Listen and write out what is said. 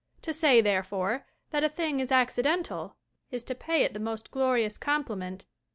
To say, therefore, that a thing is accidental is to pay it the most glorious compliment.